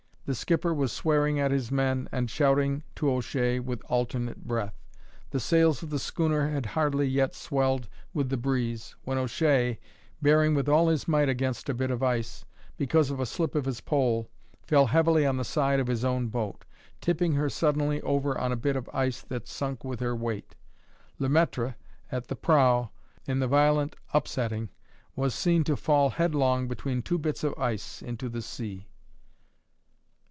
The skipper was swearing at his men and shouting to O'Shea with alternate breath. The sails of the schooner had hardly yet swelled with the breeze when O'Shea, bearing with all his might against a bit of ice, because of a slip of his pole, fell heavily on the side of his own boat, tipping her suddenly over on a bit of ice that sunk with her weight. Le Maître, at the prow, in the violent upsetting, was seen to fall headlong between two bits of ice into the sea.